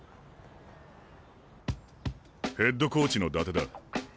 ヘッドコーチの伊達だ。